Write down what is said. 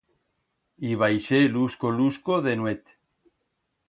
I baixé lusco-lusco, de nuet.